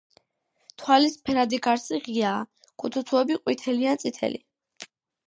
თვალის ფერადი გარსი ღიაა, ქუთუთოები ყვითელი ან წითელი.